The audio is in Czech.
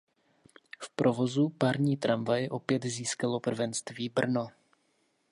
V provozu parní tramvaje opět získalo prvenství Brno.